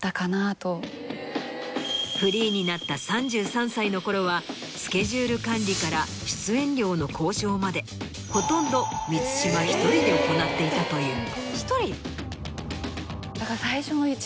フリーになった３３歳のころはスケジュール管理から出演料の交渉までほとんど満島１人で行っていたという。